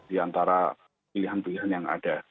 di antara pilihan pilihan yang ada